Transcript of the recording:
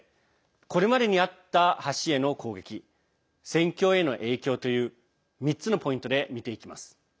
これまでにあった橋への攻撃戦況への影響という３つのポイントで見ていきます。